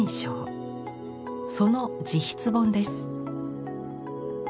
その自筆本です。